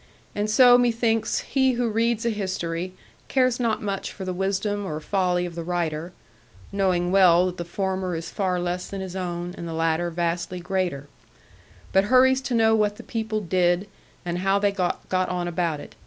And so methinks he who reads a history cares not much for the wisdom or folly of the writer (knowing well that the former is far less than his own, and the latter vastly greater), but hurries to know what the people did, and how they got on about it.